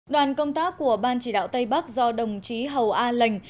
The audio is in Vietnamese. đoàn công tác của ban chỉ đạo tây bắc do đồng chí hầu a lệnh